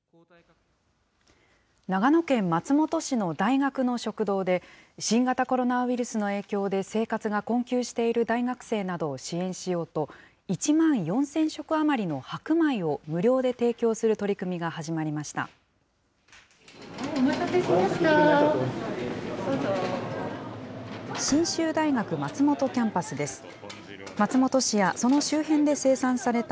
長野県松本市の大学の食堂で、新型コロナウイルスの影響で生活が困窮している大学生などを支援しようと、１万４０００食余りの白米を無料で提供する取り組みが始まりました。